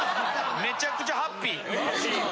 めちゃくちゃハッピー。